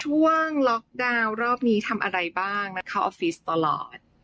เรื่องช่วงล็อคดาวน์รอบนี้ทำอะไรบ้างเขาออฟฟิศตลอด